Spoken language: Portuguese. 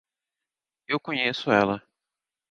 Eu conheço ela